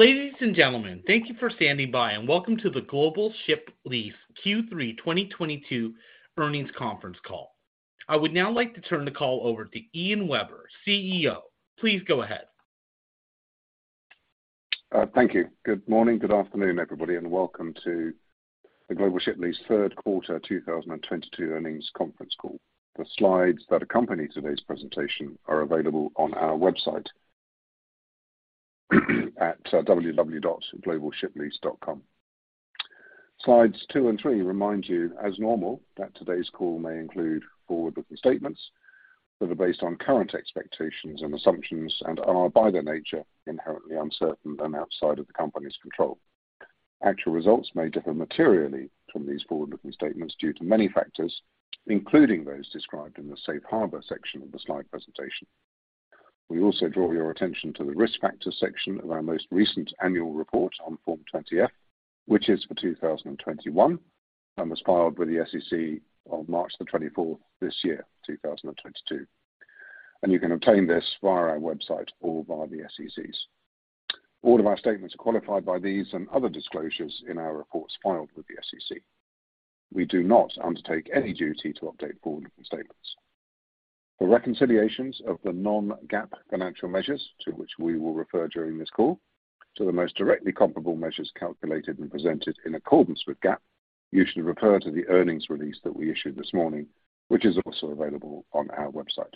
Ladies and gentlemen, thank you for standing by and welcome to the Global Ship Lease Q3 2022 earnings conference call. I would now like to turn the call over to Ian Webber, CEO. Please go ahead. Thank you. Good morning, good afternoon, everybody, and welcome to the Global Ship Lease third quarter 2022 earnings conference call. The slides that accompany today's presentation are available on our website at www.globalshiplease.com. Slides 2 and slide 3 remind you, as normal, that today's call may include forward-looking statements that are based on current expectations and assumptions and are, by their nature, inherently uncertain and outside of the company's control. Actual results may differ materially from these forward-looking statements due to many factors, including those described in the Safe Harbor section of the slide presentation. We also draw your attention to the Risk Factors section of our most recent annual report on Form 20-F, which is for 2021 and was filed with the SEC on March 24 this year, 2022. You can obtain this via our website or via the SEC's. All of our statements are qualified by these and other disclosures in our reports filed with the SEC. We do not undertake any duty to update forward-looking statements. For reconciliations of the Non-GAAP financial measures to which we will refer during this call to the most directly comparable measures calculated and presented in accordance with GAAP, you should refer to the earnings release that we issued this morning, which is also available on our website.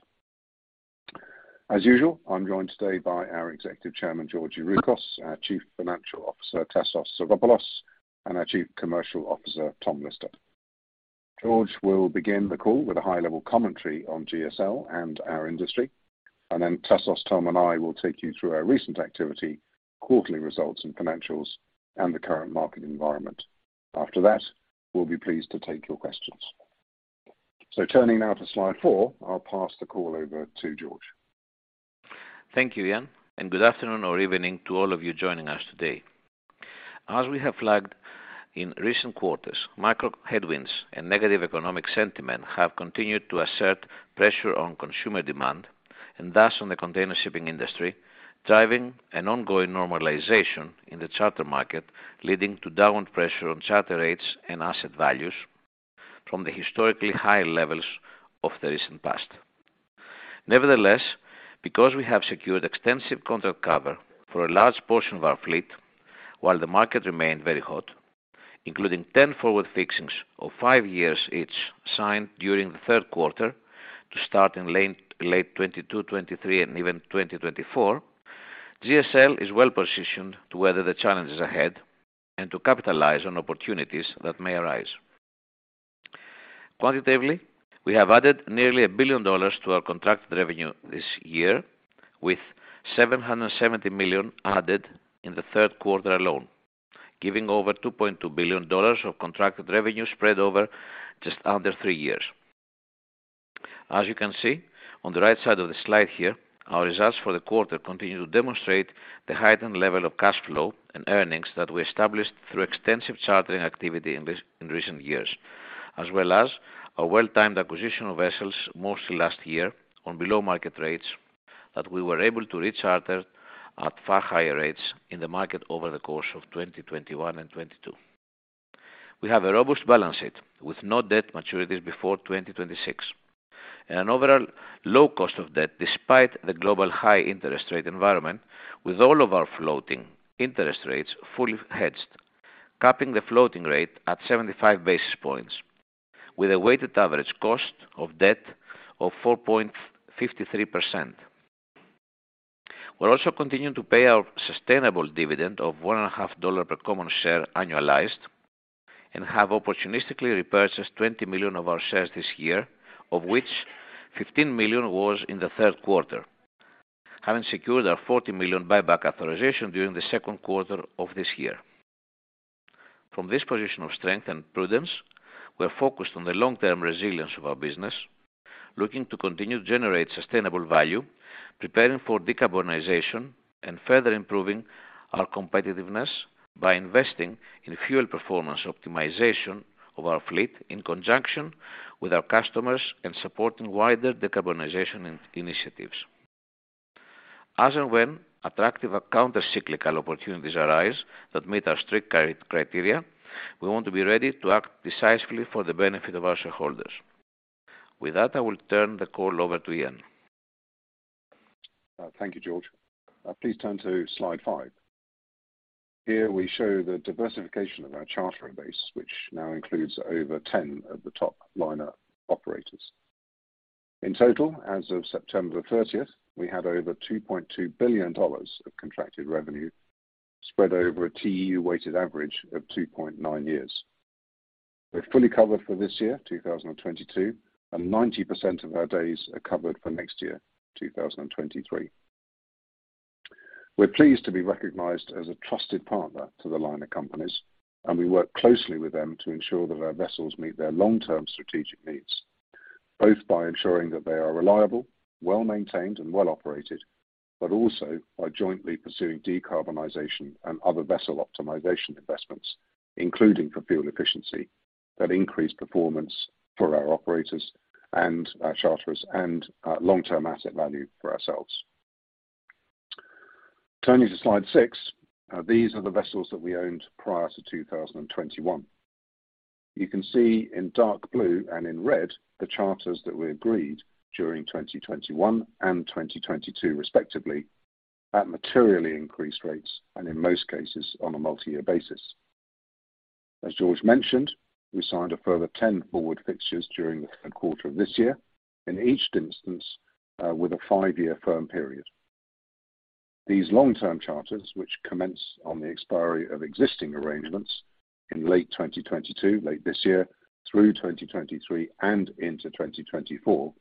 As usual, I'm joined today by our Executive Chairman, George Youroukos, our Chief Financial Officer, Tassos Psaropoulos, and our Chief Commercial Officer, Tom Lister. George will begin the call with a high-level commentary on GSL and our industry, and then Tassos, Tom, and I will take you through our recent activity, quarterly results and financials, and the current market environment. After that, we'll be pleased to take your questions. Turning now to slide four, I'll pass the call over to George. Thank you, Ian, and good afternoon or evening to all of you joining us today. As we have flagged in recent quarters, macro headwinds and negative economic sentiment have continued to assert pressure on consumer demand and thus on the container shipping industry, driving an ongoing normalization in the charter market, leading to downward pressure on charter rates and asset values from the historically high levels of the recent past. Nevertheless, because we have secured extensive contract cover for a large portion of our fleet while the market remained very hot, including 10 forward fixings of five years each signed during the third quarter to start in late 2022, 2023, and even 2024, GSL is well positioned to weather the challenges ahead and to capitalize on opportunities that may arise. Quantitatively, we have added nearly $1 billion to our contracted revenue this year, with $770 million added in the third quarter alone, giving over $2.2 billion of contracted revenue spread over just under three years. As you can see on the right side of the slide here, our results for the quarter continue to demonstrate the heightened level of cash flow and earnings that we established through extensive chartering activity in recent years, as well as our well-timed acquisition of vessels mostly last year on below-market rates that we were able to recharter at far higher rates in the market over the course of 2021 and 2022. We have a robust balance sheet with no debt maturities before 2026 and an overall low cost of debt despite the global high interest rate environment with all of our floating interest rates fully hedged, capping the floating rate at 75 basis points with a weighted average cost of debt of 4.53%. We're also continuing to pay our sustainable dividend of $1.50 per common share annualized and have opportunistically repurchased 20 million of our shares this year, of which 15 million was in the third quarter, having secured our $40 million buyback authorization during the second quarter of this year. From this position of strength and prudence, we're focused on the long-term resilience of our business, looking to continue to generate sustainable value, preparing for decarbonization, and further improving our competitiveness by investing in fuel performance optimization of our fleet in conjunction with our customers and supporting wider decarbonization initiatives. As and when attractive or counter-cyclical opportunities arise that meet our strict criteria, we want to be ready to act decisively for the benefit of our shareholders. With that, I will turn the call over to Ian. Thank you, George. Please turn to slide five. Here we show the diversification of our chartering base, which now includes over 10 of the top liner operators. In total, as of September thirtieth, we had over $2.2 billion of contracted revenue spread over a TEU-weighted average of 2.9 years. We're fully covered for this year, 2022, and 90% of our days are covered for next year, 2023. We're pleased to be recognized as a trusted partner to the liner companies, and we work closely with them to ensure that our vessels meet their long-term strategic needs, both by ensuring that they are reliable, well-maintained, and well-operated, but also by jointly pursuing decarbonization and other vessel optimization investments, including for fuel efficiency. That increase performance for our operators and our charterers and, long-term asset value for ourselves. Turning to slide six, these are the vessels that we owned prior to 2021. You can see in dark blue and in red, the charters that we agreed during 2021 and 2022 respectively, at materially increased rates, and in most cases, on a multi-year basis. As George mentioned, we signed a further 10 forward fixtures during the third quarter of this year, in each instance, with a 5-year firm period. These long-term charters, which commence on the expiry of existing arrangements in late 2022, late this year, through 2023 and into 2024,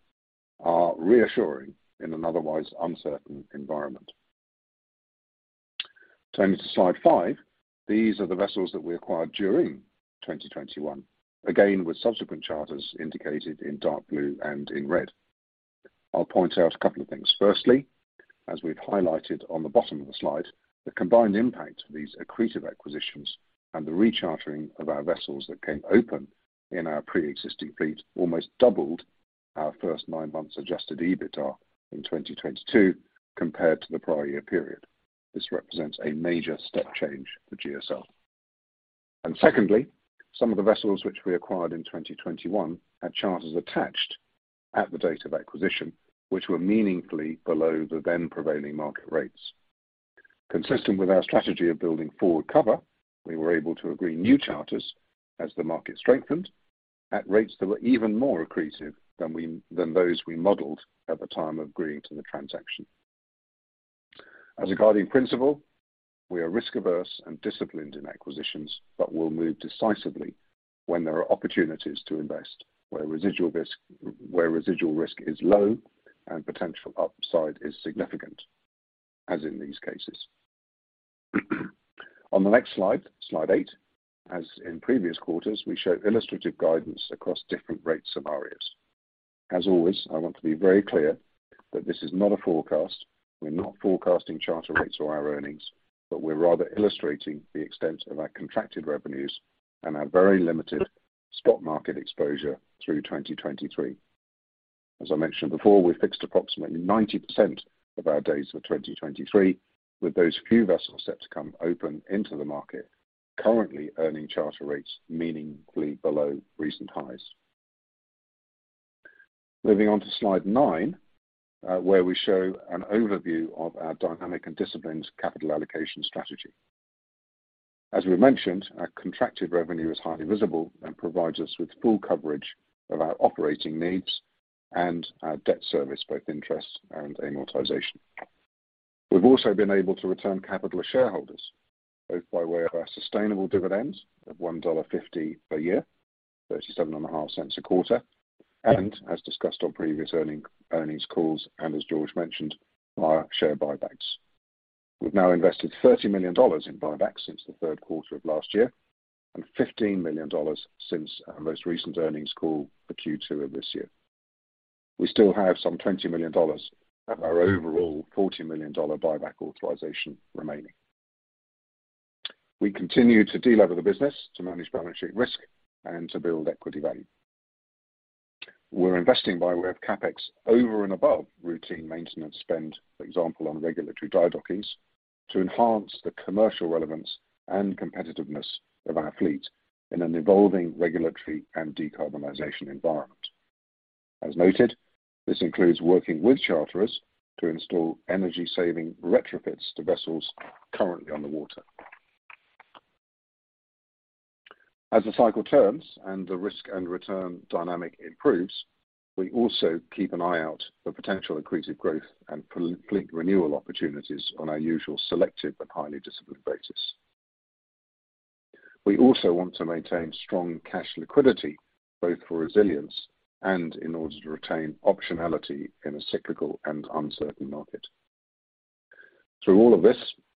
are reassuring in an otherwise uncertain environment. Turning to slide five, these are the vessels that we acquired during 2021, again, with subsequent charters indicated in dark blue and in red. I'll point out a couple of things. Firstly, as we've highlighted on the bottom of the slide, the combined impact of these accretive acquisitions and the rechartering of our vessels that came open in our pre-existing fleet, almost doubled our first nine months Adjusted EBITDA in 2022 compared to the prior year period. This represents a major step change for GSL. Secondly, some of the vessels which we acquired in 2021 had charters attached at the date of acquisition, which were meaningfully below the then prevailing market rates. Consistent with our strategy of building forward cover, we were able to agree new charters as the market strengthened at rates that were even more accretive than those we modeled at the time of agreeing to the transaction. As a guiding principle, we are risk-averse and disciplined in acquisitions, but will move decisively when there are opportunities to invest, where residual risk is low and potential upside is significant, as in these cases. On the next slide eight, as in previous quarters, we show illustrative guidance across different rate scenarios. As always, I want to be very clear that this is not a forecast. We're not forecasting charter rates or our earnings, but we're rather illustrating the extent of our contracted revenues and our very limited stock market exposure through 2023. As I mentioned before, we fixed approximately 90% of our days for 2023, with those few vessels set to come open into the market, currently earning charter rates meaningfully below recent highs. Moving on to slide nine, where we show an overview of our dynamic and disciplined capital allocation strategy. As we mentioned, our contracted revenue is highly visible and provides us with full coverage of our operating needs and our debt service, both interest and amortization. We've also been able to return capital to shareholders, both by way of our sustainable dividends of $1.50 per year, $0.375 a quarter, and as discussed on previous earnings calls, and as George mentioned, our share buybacks. We've now invested $30 million in buybacks since the third quarter of last year, and $15 million since our most recent earnings call for Q2 of this year. We still have some $20 million of our overall $40 million buyback authorization remaining. We continue to delever the business to manage balance sheet risk and to build equity value. We're investing by way of CapEx over and above routine maintenance spend, for example, on regulatory dry dockings to enhance the commercial relevance and competitiveness of our fleet in an evolving regulatory and decarbonization environment. As noted, this includes working with charterers to install energy-saving retrofits to vessels currently on the water. As the cycle turns and the risk and return dynamic improves, we also keep an eye out for potential accretive growth and fleet renewal opportunities on our usual selective and highly disciplined basis. We also want to maintain strong cash liquidity, both for resilience and in order to retain optionality in a cyclical and uncertain market. Through all of this,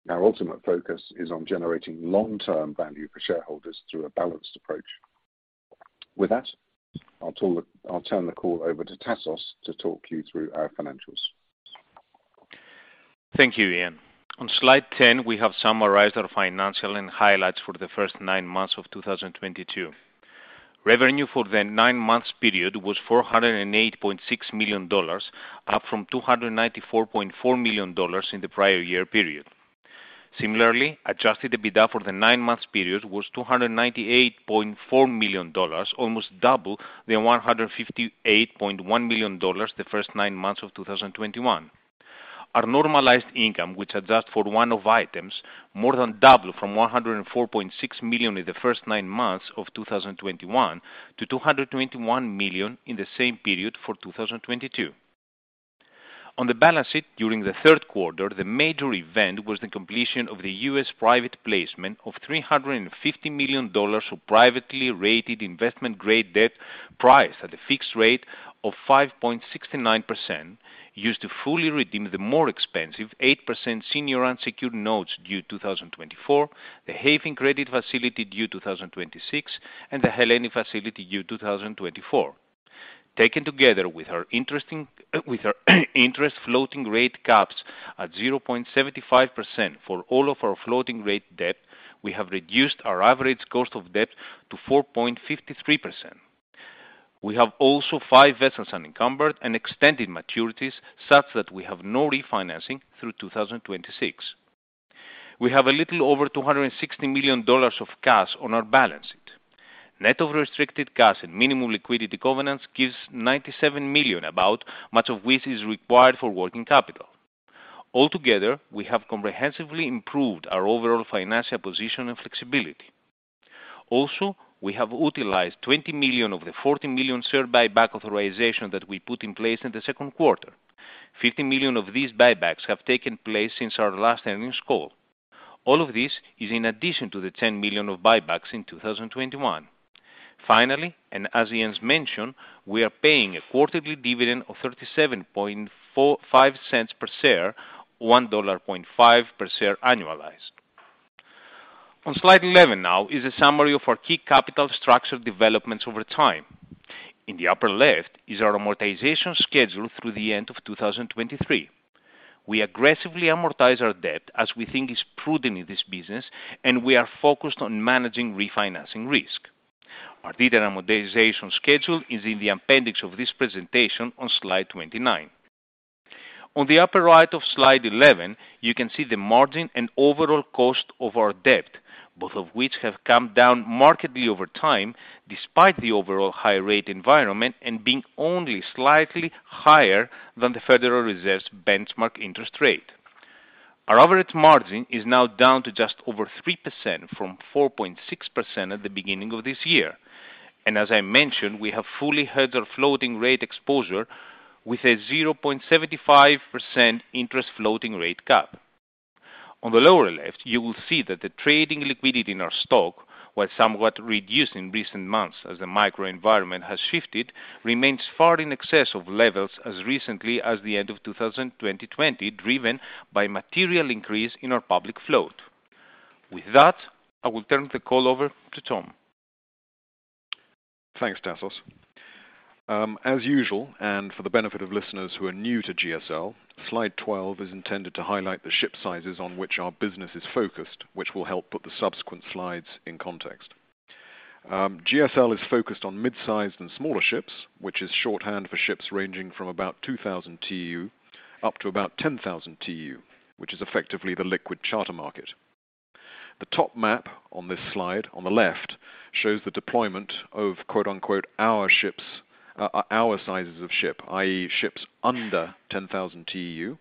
our ultimate focus is on generating long-term value for shareholders through a balanced approach. With that, I'll turn the call over to Tassos to talk you through our financials. Thank you, Ian. On slide 10, we have summarized our financial highlights for the first 9-months of 2022. Revenue for the 9-months period was $408.6 million, up from $294.4 million in the prior year period. Similarly, Adjusted EBITDA for the 9-months period was $298.4 million, almost double the $158.1 million in the first 9-months of 2021. Our normalized income, which adjust for one-off items, more than doubled from $104.6 million in the first 9-months of 2021 to $221 million in the same period for 2022. On the balance sheet during the third quarter, the major event was the completion of the U.S. private placement of $350 million for privately rated investment-grade debt priced at a fixed rate of 5.69%, used to fully redeem the more expensive 8% senior unsecured notes due 2024, the Hayfin credit facility due 2026, and the Hellenic Facility due 2024. Taken together with our interest floating rate caps at 0.75% for all of our floating rate debt, we have reduced our average cost of debt to 4.53%. We have also five vessels unencumbered and extended maturities such that we have no refinancing through 2026. We have a little over $260 million of cash on our balance sheet. Net of restricted cash and minimum liquidity covenants gives $97 million about much of which is required for working capital. Altogether, we have comprehensively improved our overall financial position and flexibility. Also, we have utilized $20 million of the $40 million share buyback authorization that we put in place in the second quarter. $50 million of these buybacks have taken place since our last earnings call. All of this is in addition to the $10 million of buybacks in 2021. Finally, as Ian's mentioned, we are paying a quarterly dividend of $0.3745 per share, $1.5 per share annualized. On slide 11 now is a summary of our key capital structure developments over time. In the upper left is our amortization schedule through the end of 2023. We aggressively amortize our debt as we think is prudent in this business, and we are focused on managing refinancing risk. Our data amortization schedule is in the appendix of this presentation on slide 29. On the upper right of slide 11, you can see the margin and overall cost of our debt, both of which have come down markedly over time, despite the overall high rate environment and being only slightly higher than the Federal Reserve's benchmark interest rate. Our average margin is now down to just over 3% from 4.6% at the beginning of this year. As I mentioned, we have fully hedged our floating rate exposure with a 0.75% interest floating rate cap. On the lower left, you will see that the trading liquidity in our stock, while somewhat reduced in recent months as the microenvironment has shifted, remains far in excess of levels as recently as the end of 2020, driven by material increase in our public float. With that, I will turn the call over to Tom. Thanks, Tassos. As usual, and for the benefit of listeners who are new to GSL, slide 12 is intended to highlight the ship sizes on which our business is focused, which will help put the subsequent slides in context. GSL is focused on mid-sized and smaller ships, which is shorthand for ships ranging from about 2,000 TEU up to about 10,000 TEU, which is effectively the liquid charter market. The top map on this slide on the left shows the deployment of “our” ships, our sizes of ship, i.e., ships under 10,000 TEU,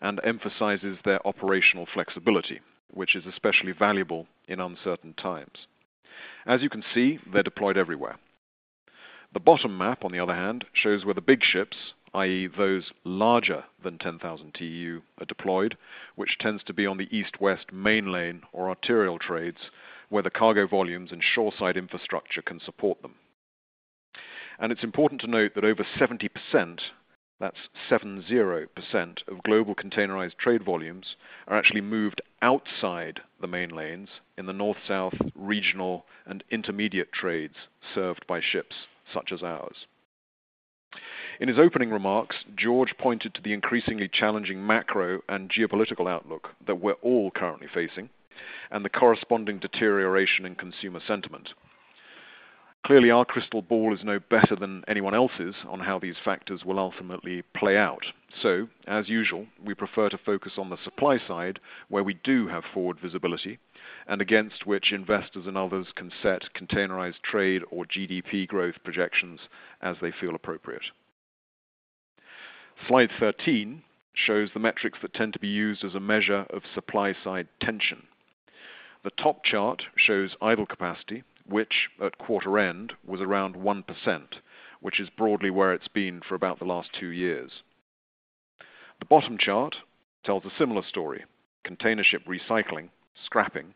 and emphasizes their operational flexibility, which is especially valuable in uncertain times. As you can see, they're deployed everywhere. The bottom map, on the other hand, shows where the big ships, i.e., those larger than 10,000 TEU are deployed, which tends to be on the east-west main lane or arterial trades, where the cargo volumes and shoreside infrastructure can support them. It's important to note that over 70%, that's 70% of global containerized trade volumes are actually moved outside the main lanes in the north-south regional and intermediate trades served by ships such as ours. In his opening remarks, George pointed to the increasingly challenging macro and geopolitical outlook that we're all currently facing and the corresponding deterioration in consumer sentiment. Clearly, our crystal ball is no better than anyone else's on how these factors will ultimately play out. As usual, we prefer to focus on the supply side where we do have forward visibility and against which investors and others can set containerized trade or GDP growth projections as they feel appropriate. Slide 13 shows the metrics that tend to be used as a measure of supply-side tension. The top chart shows idle capacity, which at quarter end was around 1%, which is broadly where it's been for about the last 2-years. The bottom chart tells a similar story. Container ship recycling, scrapping,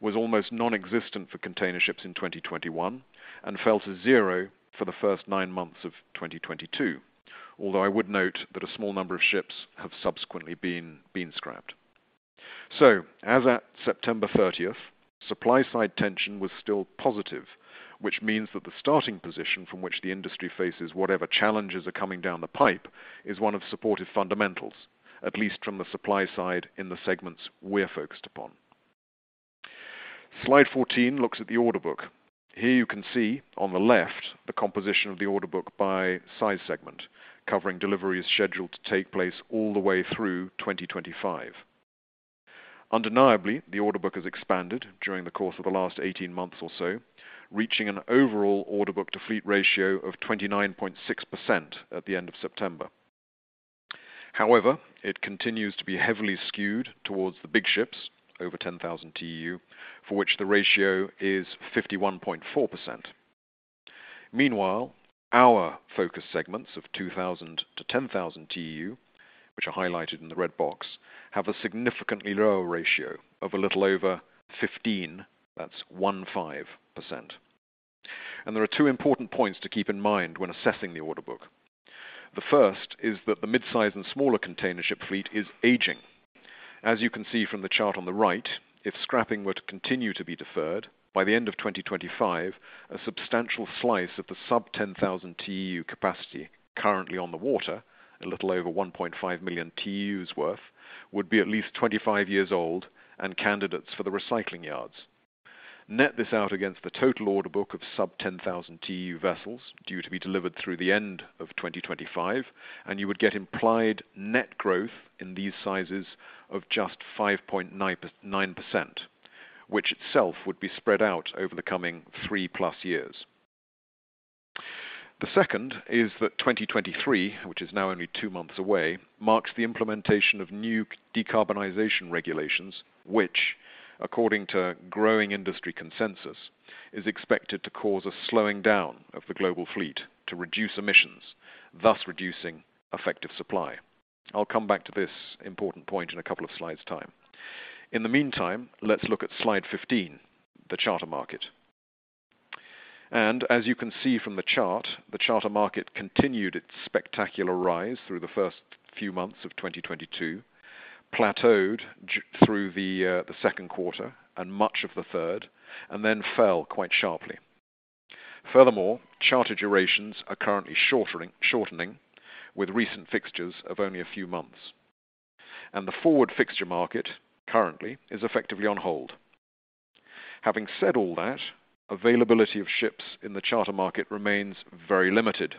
was almost nonexistent for container ships in 2021 and fell to zero for the first 9-months of 2022. Although I would note that a small number of ships have subsequently been scrapped. As at September 30th, supply-side tension was still positive, which means that the starting position from which the industry faces whatever challenges are coming down the pipe is one of supportive fundamentals, at least from the supply side in the segments we're focused upon. Slide 14 looks at the order book. Here you can see on the left the composition of the order book by size segment, covering deliveries scheduled to take place all the way through 2025. Undeniably, the order book has expanded during the course of the last 18-months or so, reaching an overall order book to fleet ratio of 29.6% at the end of September. However, it continues to be heavily skewed towards the big ships over 10,000 TEU, for which the ratio is 51.4%. Meanwhile, our focus segments of 2,000 TEU-10,000 TEU, which are highlighted in the red box, have a significantly lower ratio of a little over 15%, that's 15%. There are two important points to keep in mind when assessing the order book. The first is that the midsize and smaller container ship fleet is aging. As you can see from the chart on the right, if scrapping were to continue to be deferred, by the end of 2025, a substantial slice of the sub-10,000 TEU capacity currently on the water, a little over 1.5 million TEUs worth, would be at least 25 years old and candidates for the recycling yards. Net this out against the total order book of sub 10,000 TEU vessels due to be delivered through the end of 2025, and you would get implied net growth in these sizes of just 5.9%, which itself would be spread out over the coming 3+ years. The second is that 2023, which is now only two months away, marks the implementation of new decarbonization regulations, which, according to growing industry consensus, is expected to cause a slowing down of the global fleet to reduce emissions, thus reducing effective supply. I'll come back to this important point in a couple of slides' time. In the meantime, let's look at slide 15, the charter market. As you can see from the chart, the charter market continued its spectacular rise through the first few months of 2022, plateaued through the second quarter and much of the third, and then fell quite sharply. Furthermore, charter durations are currently shortening with recent fixtures of only a few months. The forward fixture market currently is effectively on hold. Having said all that, availability of ships in the charter market remains very limited,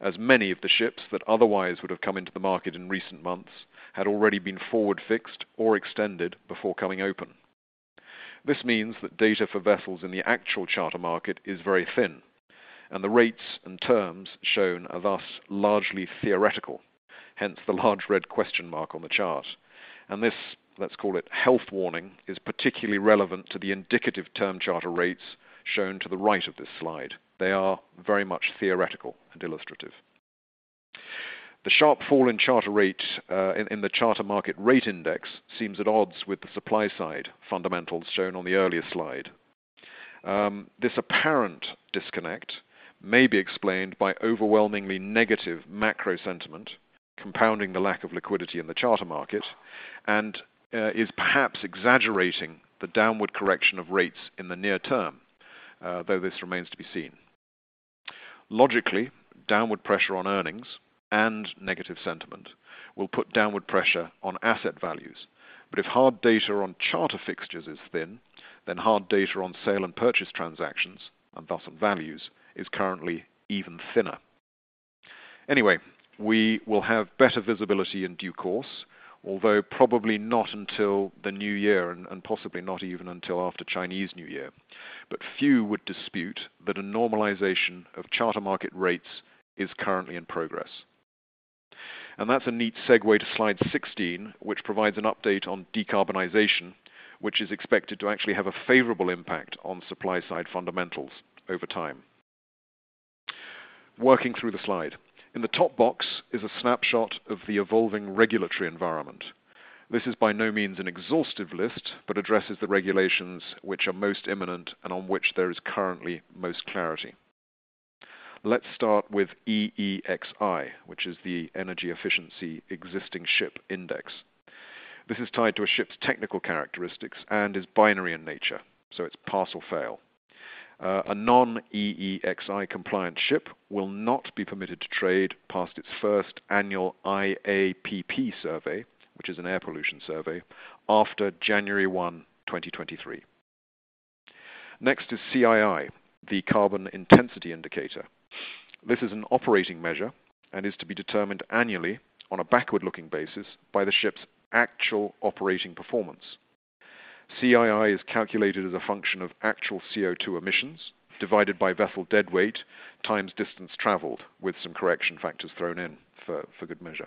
as many of the ships that otherwise would have come into the market in recent months had already been forward fixed or extended before coming open. This means that data for vessels in the actual charter market is very thin, and the rates and terms shown are thus largely theoretical, hence the large red question mark on the chart. This, let's call it health warning, is particularly relevant to the indicative term charter rates shown to the right of this slide. They are very much theoretical and illustrative. The sharp fall in charter rate in the charter market rate index seems at odds with the supply side fundamentals shown on the earlier slide. This apparent disconnect may be explained by overwhelmingly negative macro sentiment, compounding the lack of liquidity in the charter market, and is perhaps exaggerating the downward correction of rates in the near term, though this remains to be seen. Logically, downward pressure on earnings and negative sentiment will put downward pressure on asset values. If hard data on charter fixtures is thin, then hard data on sale and purchase transactions, and thus on values, is currently even thinner. Anyway, we will have better visibility in due course, although probably not until the new year and possibly not even until after Chinese New Year. Few would dispute that a normalization of charter market rates is currently in progress. That's a neat segue to slide 16, which provides an update on decarbonization, which is expected to actually have a favorable impact on supply-side fundamentals over time. Working through the slide. In the top box is a snapshot of the evolving regulatory environment. This is by no means an exhaustive list, but addresses the regulations which are most imminent and on which there is currently most clarity. Let's start with EEXI, which is the Energy Efficiency Existing Ship Index. This is tied to a ship's technical characteristics and is binary in nature, so it's pass or fail. A non-EEXI compliant ship will not be permitted to trade past its first annual IAPP survey, which is an air pollution survey, after January 1st, 2023. Next is CII, the Carbon Intensity Indicator. This is an operating measure and is to be determined annually on a backward-looking basis by the ship's actual operating performance. CII is calculated as a function of actual CO₂ emissions divided by vessel deadweight times distance traveled, with some correction factors thrown in for good measure.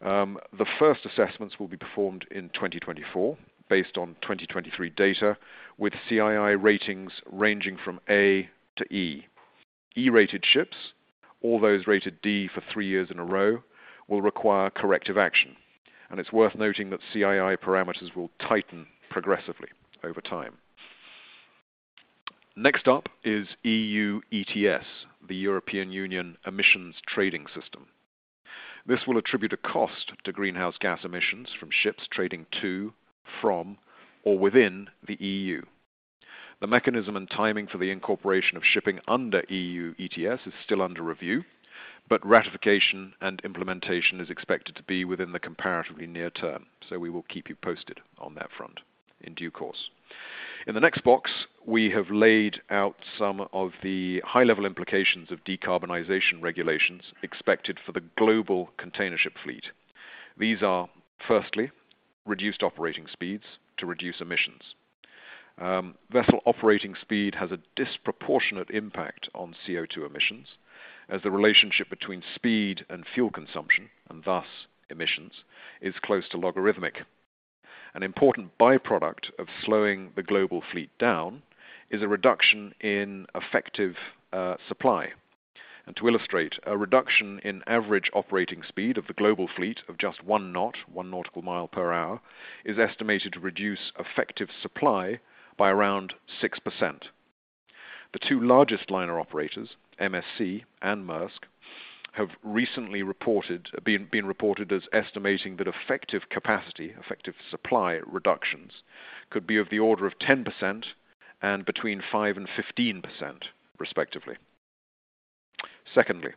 The first assessments will be performed in 2024 based on 2023 data, with CII ratings ranging from A to E. E-rated ships, all those rated D for three years in a row, will require corrective action. It's worth noting that CII parameters will tighten progressively over time. Next up is EU ETS, the European Union Emissions Trading System. This will attribute a cost to greenhouse gas emissions from ships trading to, from, or within the EU. The mechanism and timing for the incorporation of shipping under EU ETS is still under review, but ratification and implementation is expected to be within the comparatively near term. We will keep you posted on that front in due course. In the next box, we have laid out some of the high-level implications of decarbonization regulations expected for the global container ship fleet. These are, firstly, reduced operating speeds to reduce emissions. Vessel operating speed has a disproportionate impact on CO₂ emissions as the relationship between speed and fuel consumption, and thus emissions, is close to logarithmic. An important by-product of slowing the global fleet down is a reduction in effective supply. To illustrate, a reduction in average operating speed of the global fleet of just 1 knot, 1 nautical mile per hour, is estimated to reduce effective supply by around 6%. The two largest liner operators, MSC and Maersk, have recently been reported as estimating that effective capacity or effective supply reductions could be of the order of 10% and between 5% and 15% respectively. Secondly,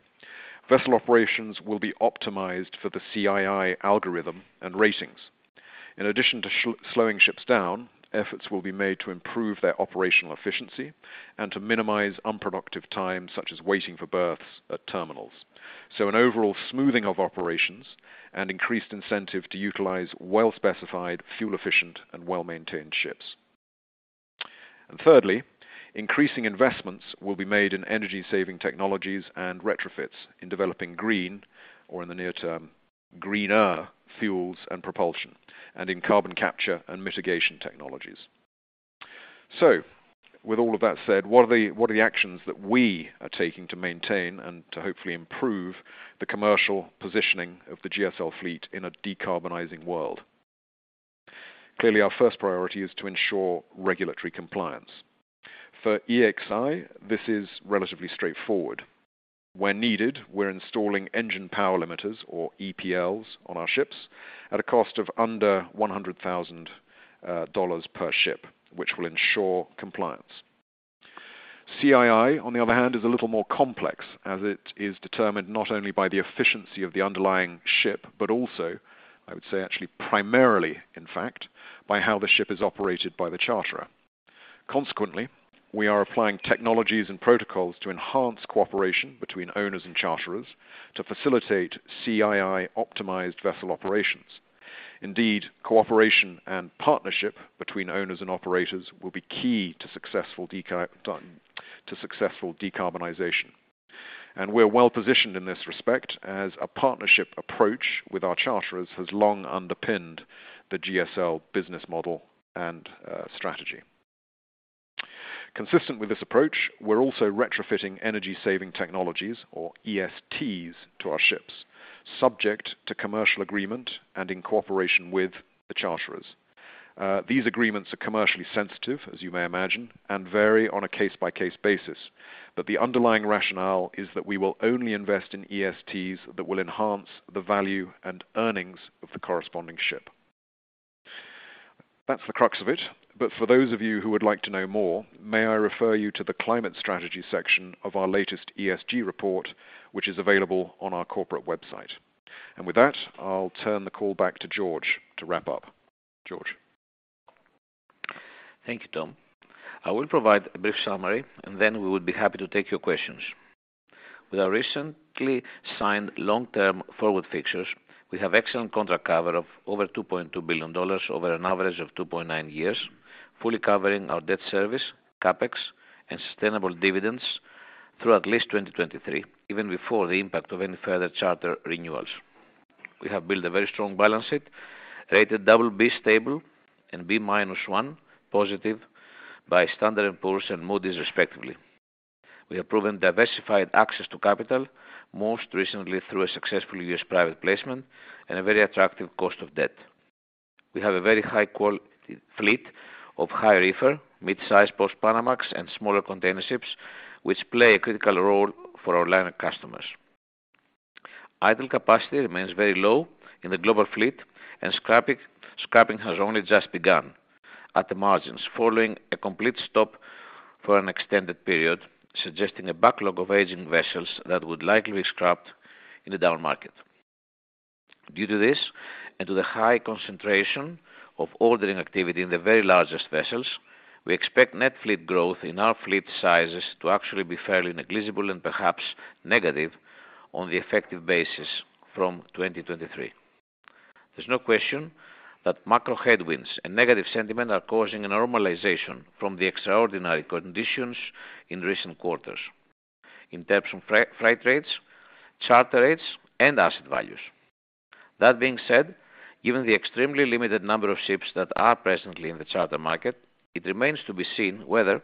vessel operations will be optimized for the CII algorithm and ratings. In addition to slowing ships down, efforts will be made to improve their operational efficiency and to minimize unproductive time, such as waiting for berths at terminals. An overall smoothing of operations and increased incentive to utilize well-specified, fuel-efficient, and well-maintained ships. Thirdly, increasing investments will be made in energy-saving technologies and retrofits in developing green, or in the near term, greener fuels and propulsion, and in carbon capture and mitigation technologies. With all of that said, what are the actions that we are taking to maintain and to hopefully improve the commercial positioning of the GSL fleet in a decarbonizing world? Clearly, our first priority is to ensure regulatory compliance. For EEXI, this is relatively straightforward. Where needed, we're installing engine power limiters or EPLs on our ships at a cost of under $100,000 per ship, which will ensure compliance. CII, on the other hand, is a little more complex as it is determined not only by the efficiency of the underlying ship, but also, I would say actually primarily, in fact, by how the ship is operated by the charterer. Consequently, we are applying technologies and protocols to enhance cooperation between owners and charterers to facilitate CII-optimized vessel operations. Indeed, cooperation and partnership between owners and operators will be key to successful decarbonization. We're well-positioned in this respect as a partnership approach with our charterers has long underpinned the GSL business model and, strategy. Consistent with this approach, we're also retrofitting energy-saving technologies or ESTs to our ships, subject to commercial agreement and in cooperation with the charterers. These agreements are commercially sensitive, as you may imagine, and vary on a case-by-case basis. The underlying rationale is that we will only invest in ESTs that will enhance the value and earnings of the corresponding ship. That's the crux of it. For those of you who would like to know more, may I refer you to the climate strategy section of our latest ESG report, which is available on our corporate website. With that, I'll turn the call back to George to wrap up. George. Thank you, Tom. I will provide a brief summary, and then we would be happy to take your questions. With our recently signed long-term forward fixtures, we have excellent contract cover of over $2.2 billion over an average of 2.9 years, fully covering our debt service, CapEx, and sustainable dividends through at least 2023, even before the impact of any further charter renewals. We have built a very strong balance sheet, rated BB stable and Ba1 positive by Standard and Poor's and Moody's, respectively. We have proven diversified access to capital, most recently through a successful US private placement and a very attractive cost of debt. We have a very high-quality fleet of high reefer, mid-size post-Panamax, and smaller container ships, which play a critical role for our liner customers. Idle capacity remains very low in the global fleet, and scrapping has only just begun at the margins, following a complete stop for an extended period, suggesting a backlog of aging vessels that would likely be scrapped in a down market. Due to this, and to the high concentration of ordering activity in the very largest vessels, we expect net fleet growth in our fleet sizes to actually be fairly negligible and perhaps negative on the effective basis from 2023. There's no question that macro headwinds and negative sentiment are causing a normalization from the extraordinary conditions in recent quarters in terms of freight rates, charter rates, and asset values. That being said, given the extremely limited number of ships that are presently in the charter market, it remains to be seen whether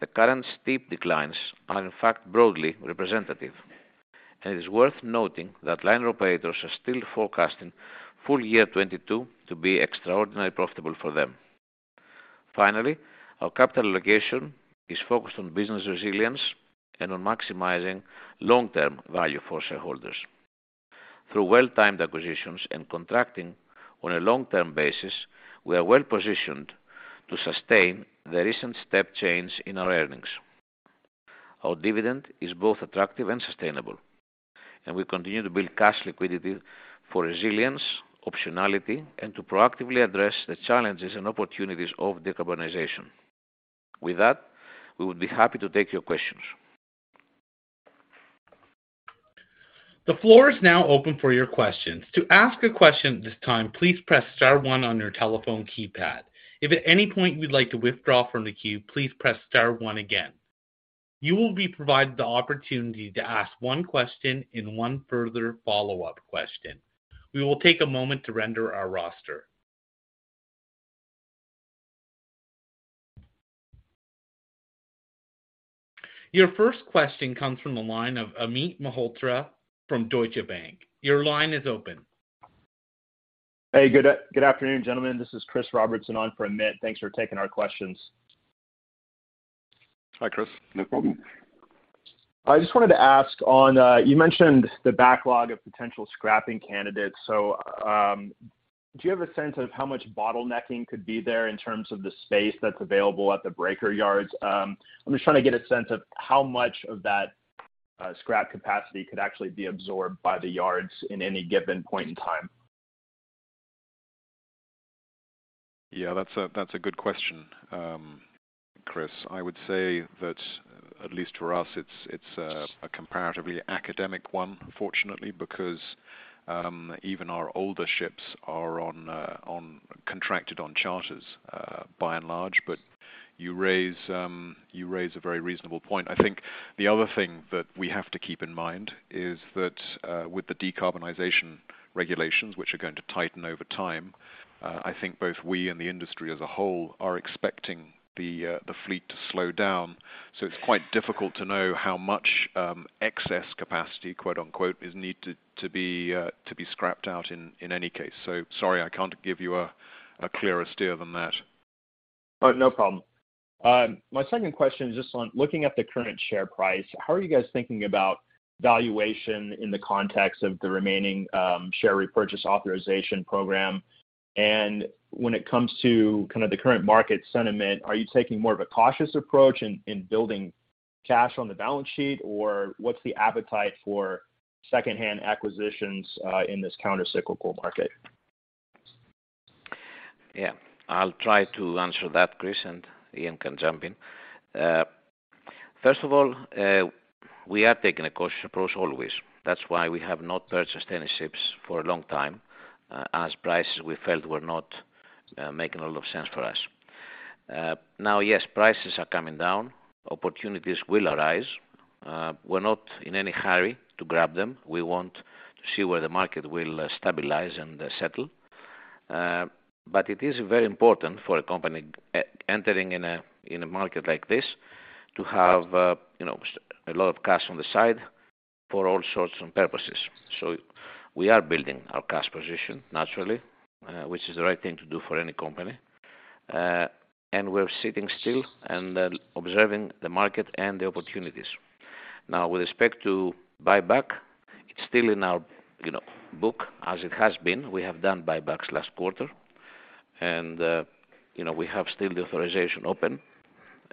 the current steep declines are in fact broadly representative. It is worth noting that liner operators are still forecasting full year 2022 to be extraordinarily profitable for them. Finally, our capital allocation is focused on business resilience and on maximizing long-term value for shareholders. Through well-timed acquisitions and contracting on a long-term basis, we are well-positioned to sustain the recent step change in our earnings. Our dividend is both attractive and sustainable, and we continue to build cash liquidity for resilience, optionality, and to proactively address the challenges and opportunities of decarbonization. With that, we would be happy to take your questions. The floor is now open for your questions. To ask a question at this time, please press star one on your telephone keypad. If at any point you'd like to withdraw from the queue, please press star one again. You will be provided the opportunity to ask one question and one further follow-up question. We will take a moment to render our roster. Your first question comes from the line of Amit Malhotra from Deutsche Bank. Your line is open. Hey, good afternoon, gentlemen. This is Chris Robertson on for Amit. Thanks for taking our questions. Hi, Chris. No problem. I just wanted to ask on, you mentioned the backlog of potential scrapping candidates. Do you have a sense of how much bottlenecking could be there in terms of the space that's available at the breaker yards? I'm just trying to get a sense of how much of that, scrap capacity could actually be absorbed by the yards in any given point in time. That's a good question, Chris. I would say that at least for us, it's a comparatively academic one, fortunately, because even our older ships are on contracted charters by and large. You raise a very reasonable point. I think the other thing that we have to keep in mind is that with the decarbonization regulations which are going to tighten over time, I think both we and the industry as a whole are expecting the fleet to slow down. It's quite difficult to know how much excess capacity, quote-unquote, is needed to be scrapped out in any case. Sorry, I can't give you a clearer steer than that. Oh, no problem. My second question is just on looking at the current share price, how are you guys thinking about valuation in the context of the remaining share repurchase authorization program? When it comes to kind of the current market sentiment, are you taking more of a cautious approach in building cash on the balance sheet, or what's the appetite for secondhand acquisitions in this countercyclical market? Yeah. I'll try to answer that, Chris, and Ian can jump in. First of all, we are taking a cautious approach always. That's why we have not purchased any ships for a long time, as prices we felt were not making a lot of sense for us. Now, yes, prices are coming down. Opportunities will arise. We're not in any hurry to grab them. We want to see where the market will stabilize and settle. It is very important for a company entering in a market like this to have, you know, a lot of cash on the side for all sorts and purposes. So we are building our cash position naturally, which is the right thing to do for any company. We're sitting still and observing the market and the opportunities. Now with respect to buyback, it's still in our, you know, book as it has been. We have done buybacks last quarter, and, you know, we have still the authorization open,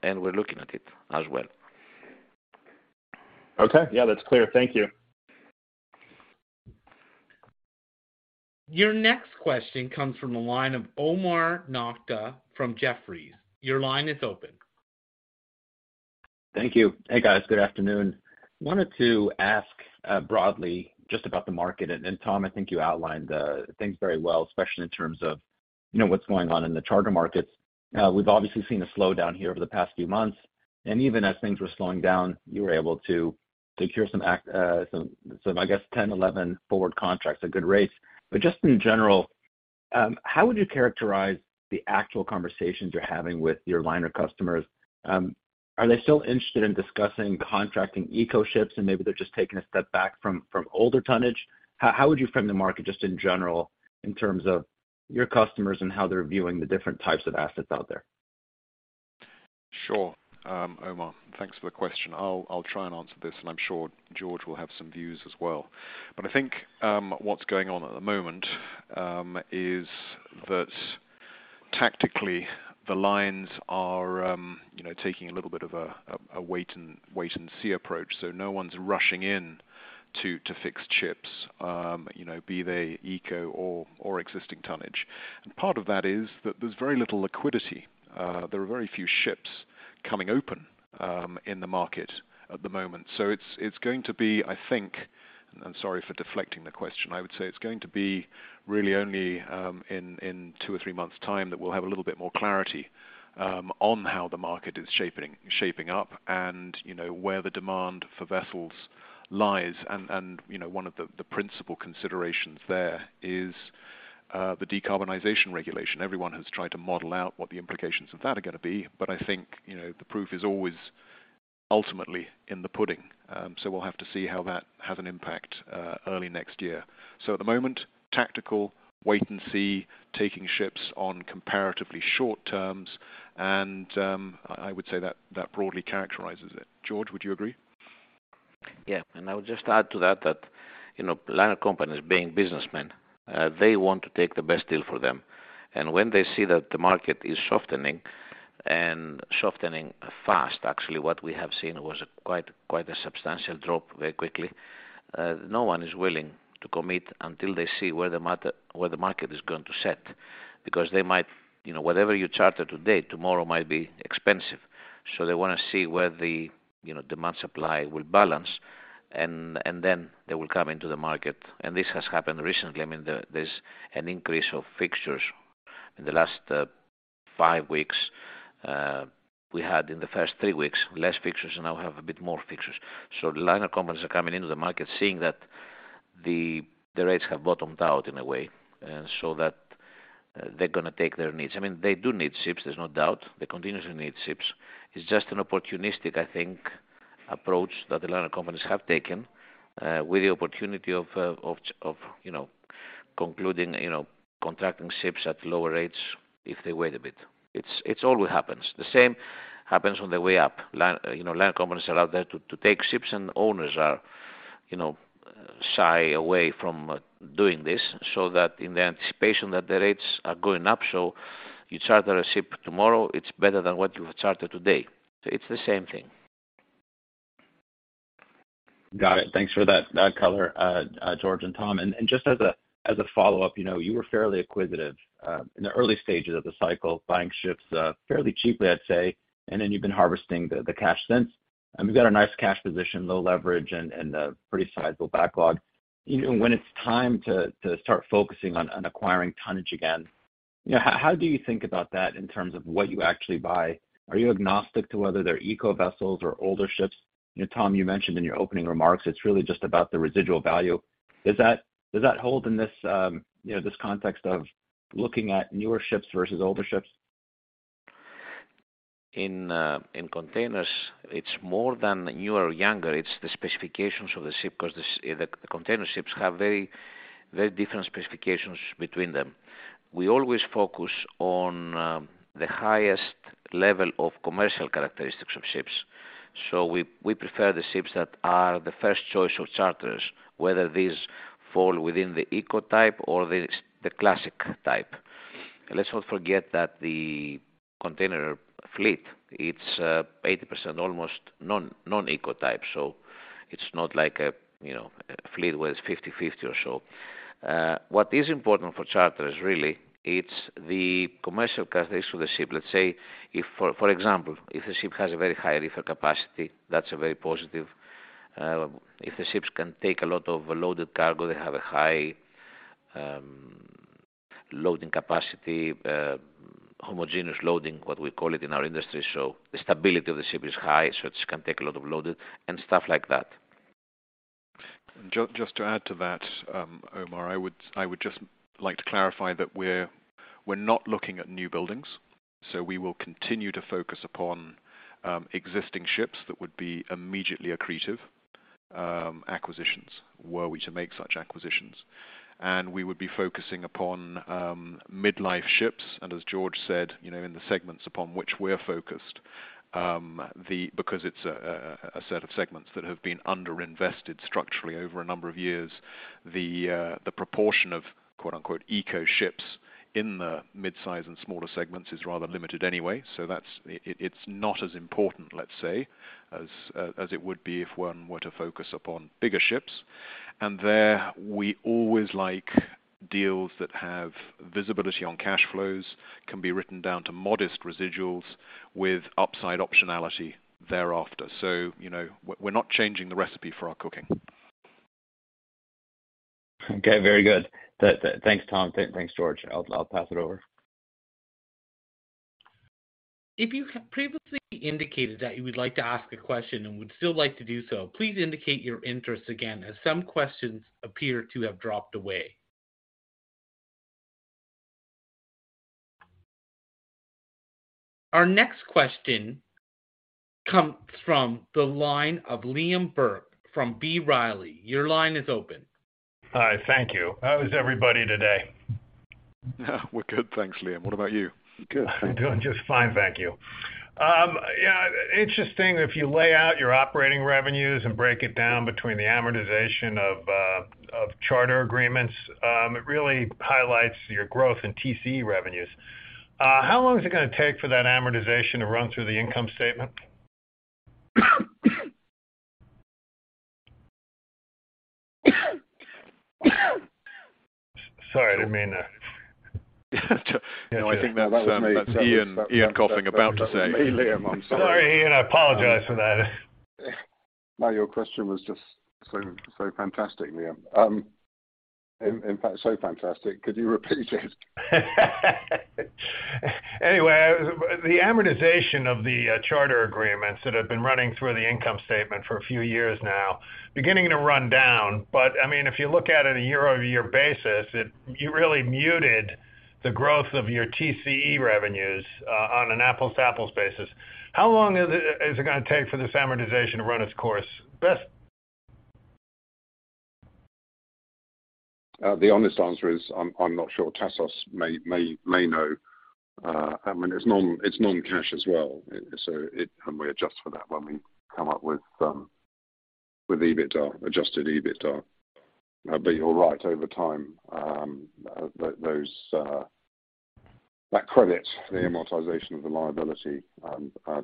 and we're looking at it as well. Okay. Yeah, that's clear. Thank you. Your next question comes from the line of Omar Nokta from Jefferies. Your line is open. Thank you. Hey, guys. Good afternoon. Wanted to ask broadly just about the market. Tom, I think you outlined things very well, especially in terms of, you know, what's going on in the charter markets. We've obviously seen a slowdown here over the past few months, and even as things were slowing down, you were able to secure some, I guess, 10, 11 forward contracts at good rates. Just in general, how would you characterize the actual conversations you're having with your liner customers? Are they still interested in discussing contracting eco ships and maybe they're just taking a step back from older tonnage? How would you frame the market just in general in terms of your customers and how they're viewing the different types of assets out there? Sure. Omar, thanks for the question. I'll try and answer this, and I'm sure George will have some views as well. I think what's going on at the moment is that tactically the lines are you know taking a little bit of a wait and see approach. No one's rushing in to fix ships, you know, be they eco or existing tonnage. Part of that is that there's very little liquidity. There are very few ships coming open in the market at the moment. It's going to be, I think. I'm sorry for deflecting the question. I would say it's going to be really only in two or three months' time that we'll have a little bit more clarity on how the market is shaping up and, you know, where the demand for vessels lies. You know, one of the principal considerations there is the decarbonization regulation. Everyone has tried to model out what the implications of that are gonna be, but I think, you know, the proof is always ultimately in the pudding. We'll have to see how that has an impact early next year. At the moment, tactical wait and see, taking ships on comparatively short terms and I would say that broadly characterizes it. George, would you agree? Yeah. I would just add to that, you know, liner companies being businessmen, they want to take the best deal for them. When they see that the market is softening and softening fast, actually, what we have seen was quite a substantial drop very quickly, no one is willing to commit until they see where the market is going to set, because they might. You know, whatever you charter today, tomorrow might be expensive. So they wanna see where the, you know, demand supply will balance, and then they will come into the market. This has happened recently. I mean, the, there's an increase of fixtures in the last five weeks. We had in the first three weeks, less fixtures, and now we have a bit more fixtures. The liner companies are coming into the market seeing that the rates have bottomed out in a way. They're gonna take their needs. I mean, they do need ships, there's no doubt. They continuously need ships. It's just an opportunistic, I think, approach that the liner companies have taken with the opportunity of you know, concluding you know, contracting ships at lower rates if they wait a bit. It always happens. The same happens on the way up. You know, liner companies are out there to take ships, and owners are you know, shy away from doing this so that in the anticipation that the rates are going up, you charter a ship tomorrow, it's better than what you've chartered today. It's the same thing. Got it. Thanks for that color, George and Tom. Just as a follow-up, you know, you were fairly acquisitive in the early stages of the cycle, buying ships fairly cheaply, I'd say, and then you've been harvesting the cash since. You've got a nice cash position, low leverage and a pretty sizable backlog. You know, when it's time to start focusing on acquiring tonnage again, you know, how do you think about that in terms of what you actually buy? Are you agnostic to whether they're eco vessels or older ships? You know, Tom, you mentioned in your opening remarks it's really just about the residual value. Is that. Does that hold in this, you know, this context of looking at newer ships versus older ships? In containers, it's more than newer or younger. It's the specifications of the ship 'cause container ships have very, very different specifications between them. We always focus on the highest level of commercial characteristics of ships. We prefer the ships that are the first choice of charters, whether these fall within the eco type or the classic type. Let's not forget that the container fleet, it's almost 80% non-eco type. It's not like a, you know, a fleet where it's 50/50 or so. What is important for charters really, it's the commercial characteristics of the ship. Let's say, for example, if a ship has a very high reefer capacity, that's a very positive. If the ships can take a lot of loaded cargo, they have a high loading capacity, homogeneous loading, what we call it in our industry, so the stability of the ship is high, so it can take a lot of loaded and stuff like that. Just to add to that, Omar, I would just like to clarify that we're not looking at new buildings, so we will continue to focus upon existing ships that would be immediately accretive acquisitions, were we to make such acquisitions. We would be focusing upon mid-life ships. As George said, you know, in the segments upon which we're focused, because it's a set of segments that have been underinvested structurally over a number of years. The proportion of quote-unquote eco ships in the mid-size and smaller segments is rather limited anyway. It's not as important, let's say, as it would be if one were to focus upon bigger ships. There, we always like deals that have visibility on cash flows, can be written down to modest residuals with upside optionality thereafter. You know, we're not changing the recipe for our cooking. Okay, very good. Thanks, Tom. Thanks, George. I'll pass it over. If you have previously indicated that you would like to ask a question and would still like to do so, please indicate your interest again, as some questions appear to have dropped away. Our next question comes from the line of Liam Burke from B. Riley. Your line is open. Hi. Thank you. How is everybody today? We're good. Thanks, Liam. What about you? Good. I'm doing just fine, thank you. Yeah, interesting if you lay out your operating revenues and break it down between the amortization of charter agreements, it really highlights your growth in TCE revenues. How long is it gonna take for that amortization to run through the income statement? Sorry, I didn't mean to. No, I think that's Ian coughing about to say. That's me, Liam. I'm sorry. Sorry, Ian. I apologize for that. No, your question was just so fantastic, Liam. In fact, so fantastic, could you repeat it? Anyway, the amortization of the charter agreements that have been running through the income statement for a few years now, beginning to run down. I mean, if you look at it on a year-over-year basis, you really muted the growth of your TCE revenues on an apples-to-apples basis. How long is it gonna take for this amortization to run its course? Best. The honest answer is I'm not sure. Tassos may know. I mean, it's non-cash as well, so it, and we adjust for that when we come up with EBITDA, Adjusted EBITDA. You're right, over time, those that credit, the amortization of the liability,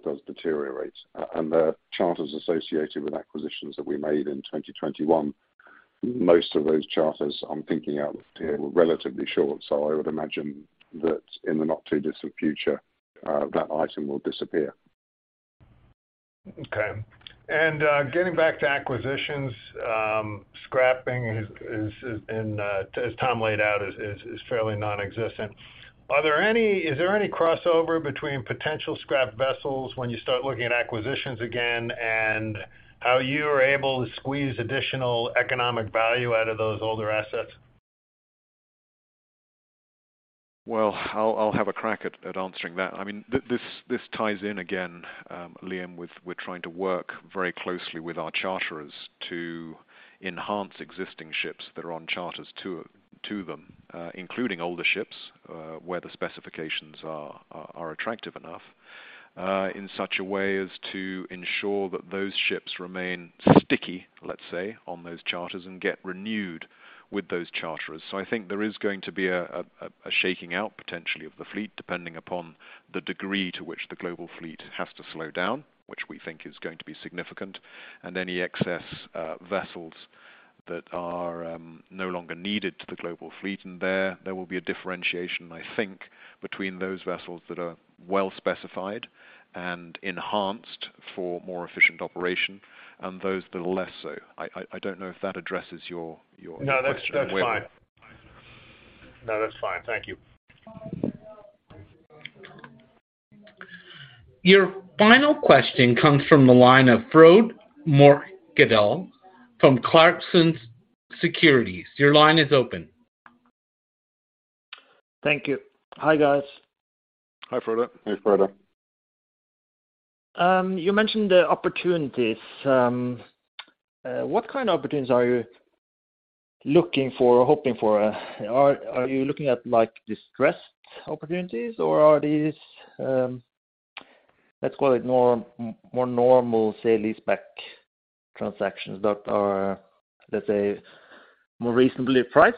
does deteriorate. The charters associated with acquisitions that we made in 2021, most of those charters, I'm thinking out here, were relatively short. I would imagine that in the not too distant future, that item will disappear. Okay. Getting back to acquisitions, scrapping is in, as Tom laid out, is fairly non-existent. Is there any crossover between potential scrap vessels when you start looking at acquisitions again and how you are able to squeeze additional economic value out of those older assets? Well, I'll have a crack at answering that. I mean, this ties in again, Liam, with we're trying to work very closely with our charterers to enhance existing ships that are on charters to them, including older ships, where the specifications are attractive enough, in such a way as to ensure that those ships remain sticky, let's say, on those charters and get renewed with those charterers. I think there is going to be a shaking out potentially of the fleet, depending upon the degree to which the global fleet has to slow down, which we think is going to be significant, and any excess vessels that are no longer needed to the global fleet. There will be a differentiation, I think, between those vessels that are well specified and enhanced for more efficient operation and those that are less so. I don't know if that addresses your question. No, that's fine. No, that's fine. Thank you. Your final question comes from the line of Frode Morkedal from Clarksons Securities. Your line is open. Thank you. Hi, guys. Hi, Frode. Hey, Frode. You mentioned the opportunities. What kind of opportunities are you looking for or hoping for? Are you looking at like distressed opportunities or are these more normal, say, leaseback transactions that are, let's say, more reasonably priced?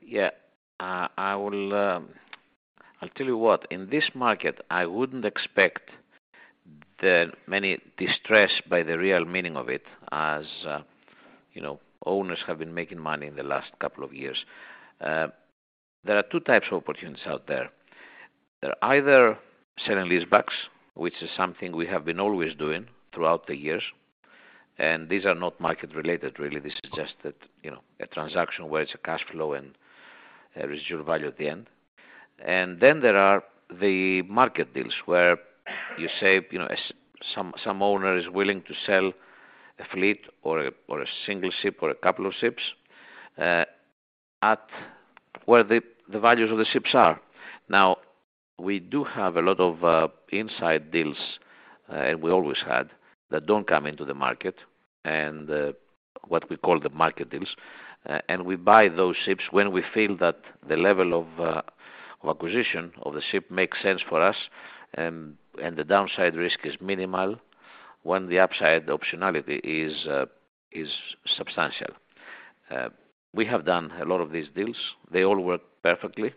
Yeah. I will, I'll tell you what, in this market, I wouldn't expect too many distressed by the real meaning of it as, you know, owners have been making money in the last couple of years. There are two types of opportunities out there. They're either sale and leasebacks, which is something we have been always doing throughout the years. These are not market related really. This is just that, you know, a transaction where it's a cash flow and a residual value at the end. There are the market deals where you say, you know, some owner is willing to sell a fleet or a single ship or a couple of ships at where the values of the ships are. Now, we do have a lot of inside deals, and we always had that don't come into the market and what we call the market deals. We buy those ships when we feel that the level of acquisition of the ship makes sense for us and the downside risk is minimal when the upside optionality is substantial. We have done a lot of these deals. They all work perfectly.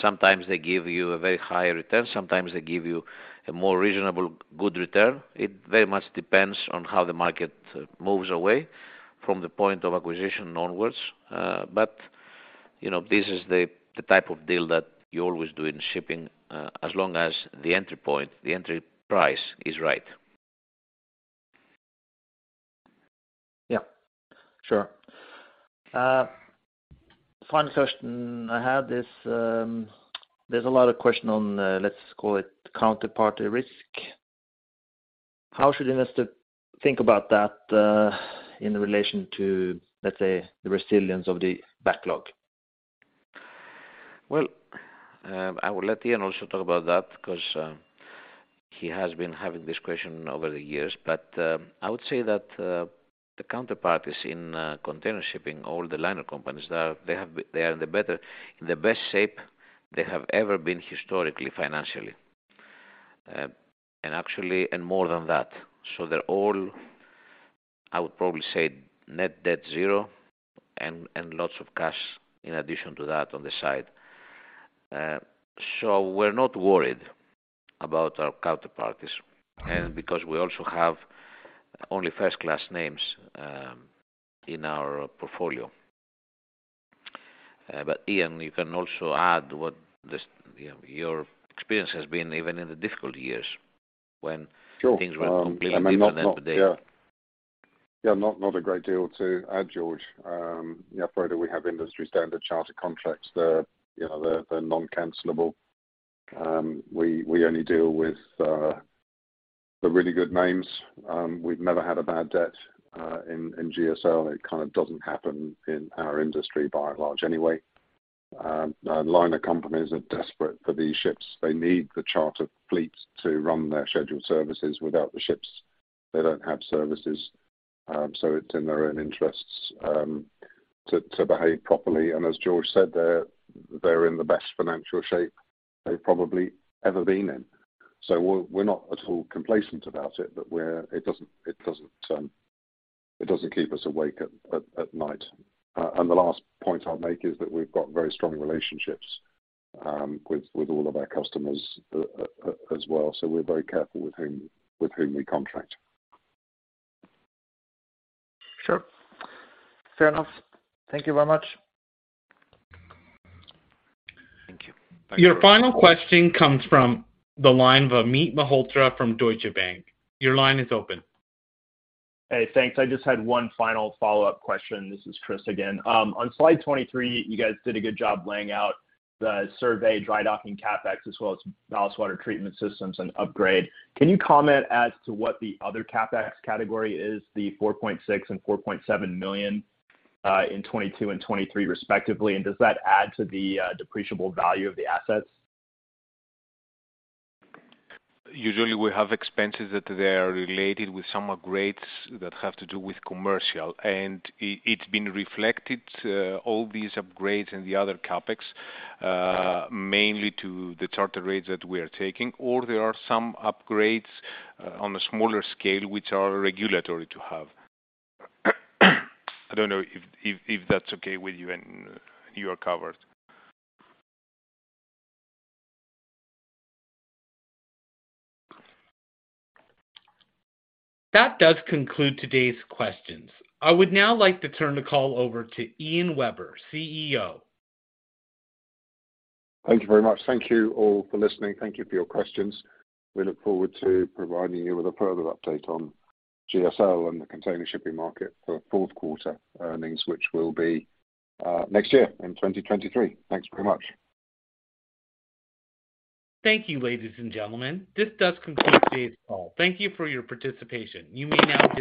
Sometimes they give you a very high return, sometimes they give you a more reasonable good return. It very much depends on how the market moves away from the point of acquisition onwards. You know, this is the type of deal that you always do in shipping as long as the entry point, the entry price is right. Yeah, sure. Final question I have is, there's a lot of question on, let's call it counterparty risk. How should investor think about that, in relation to, let's say, the resilience of the backlog? Well, I will let Ian also talk about that 'cause he has been having this question over the years. I would say that the counterparties in container shipping, all the liner companies, they are in the best shape they have ever been historically, financially. Actually, and more than that. They're all, I would probably say, net debt zero and lots of cash in addition to that on the side. We're not worried about our counterparties. Because we also have only first-class names in our portfolio. Ian, you can also add what this, you know, your experience has been even in the difficult years when- Sure. Things were completely different than today. Yeah. Yeah, not a great deal to add, George. Yeah, Frode, we have industry standard charter contracts. They're, you know, they're non-cancelable. We only deal with the really good names. We've never had a bad debt in GSL. It kinda doesn't happen in our industry by and large anyway. Liner companies are desperate for these ships. They need the charter fleets to run their scheduled services. Without the ships, they don't have services. It's in their own interests to behave properly. As George said, they're in the best financial shape they've probably ever been in. We're not at all complacent about it, but it doesn't keep us awake at night. The last point I'll make is that we've got very strong relationships, with all of our customers as well. We're very careful with whom we contract. Sure. Fair enough. Thank you very much. Thank you. Your final question comes from the line of Amit Malhotra from Deutsche Bank. Your line is open. Hey, thanks. I just had one final follow-up question. This is Chris again. On slide 23, you guys did a good job laying out the survey dry docking CapEx as well as ballast water treatment systems and upgrade. Can you comment as to what the other CapEx category is, the $4.6 million and $4.7 million in 2022 and 2023 respectively? And does that add to the depreciable value of the assets? Usually we have expenses that they are related with some upgrades that have to do with commercial. It's been reflected all these upgrades in the other CapEx mainly to the charter rates that we are taking. There are some upgrades on a smaller scale, which are regulatory to have. I don't know if that's okay with you and you are covered. That does conclude today's questions. I would now like to turn the call over to Ian Webber, CEO. Thank you very much. Thank you all for listening. Thank you for your questions. We look forward to providing you with a further update on GSL and the container shipping market for fourth quarter earnings, which will be next year in 2023. Thanks very much. Thank you, ladies and gentlemen. This does conclude today's call. Thank you for your participation. You may now disconnect.